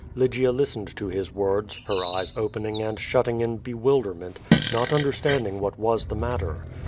Lygia listened to his words, her eyes opening and shutting in bewilderment, not understanding what was the matter.